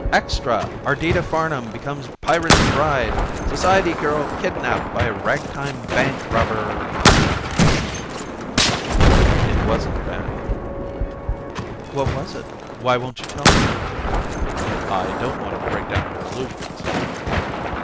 Extra! Ardita Farnam becomes pirate's bride. Society girl kidnapped by ragtime bank robber." "It wasn't a bank." "What was it? Why won't you tell me?" "I don't want to break down your illusions."